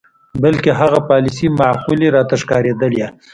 بلکې هغه پالیسۍ معقولې راته ښکارېدلې.